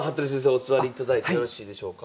お座りいただいてよろしいでしょうか。